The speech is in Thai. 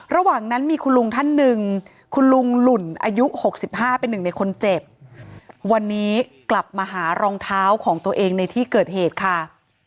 ระหว่างนั้นมีคุณลุงท่านหนึ่งคุณลุงหลุ่นอายุ๖๕เป็นหนึ่งในคนเจ็บวันนี้กลับมาหารองเท้าของตัวเองในที่เกิดเหตุค่ะ